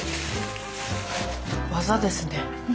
技ですね。